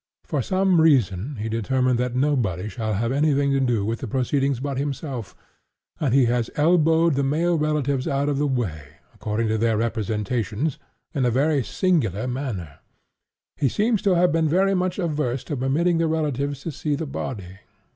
For some reason, he determined that nobody shall have any thing to do with the proceedings but himself, and he has elbowed the male relatives out of the way, according to their representations, in a very singular manner. He seems to have been very much averse to permitting the relatives to see the body."